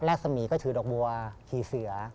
พระแม่รักษมีก็ถือดอกบัวขี่เสือ